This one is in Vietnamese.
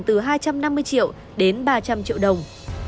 từ hai trăm năm mươi triệu đến ba trăm linh triệu đồng